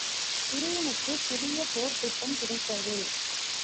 துரியனுக்குப் புதிய போர்த் திட்டம் கிடைத்தது.